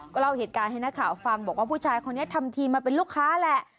ก็เล่าเหตุการณ์ให้นักข่าวฟังบอกว่าผู้ชายคนนี้ทำทีมาเป็นลูกค้าแหละ